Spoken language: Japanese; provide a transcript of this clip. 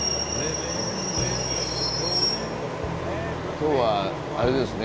今日はあれですね